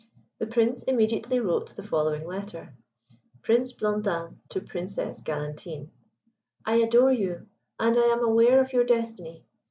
The Prince immediately wrote the following letter: "Prince Blondin to Princess Galantine. "I adore you, and I am aware of your destiny.